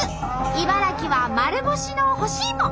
茨城は丸干しの干しいも。